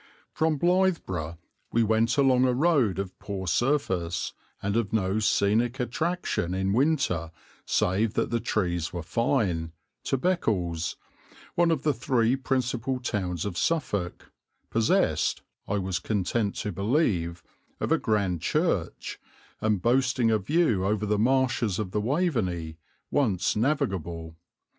From Blythburgh we went along a road of poor surface, and of no scenic attraction in winter save that the trees were fine, to Beccles, one of the three principal towns of Suffolk, possessed, I was content to believe, of a grand church, and boasting a view over the marshes of the Waveney, once navigable.